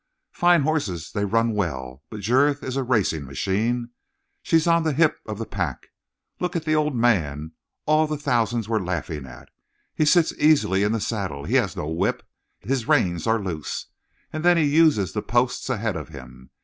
Fine horses; they run well. But Jurith is a racing machine. She's on the hip of the pack! Look at the old man all the thousand were laughing at. He sits easily in the saddle. He has no whip. His reins are loose. And then he uses the posts ahead of him.